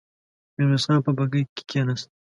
ميرويس خان په بګۍ کې کېناست.